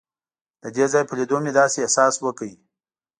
د دې ځای په لیدو مې داسې احساس وکړ.